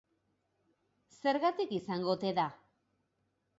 Zergatik izango ote da?